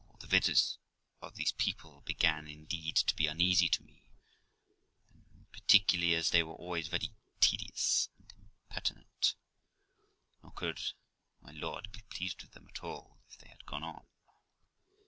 The visits of these people began indeed to be uneasy to me, and particularly as they were always very tedious and impertinent j nor could my Lord be pleased with them at all if they had gone on.